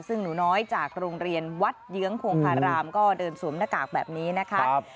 ซึ่งหนูน้อยจากโรงเรียนวัดเยื้องคงคารามก็เดินสวมหน้ากากแบบนี้นะคะ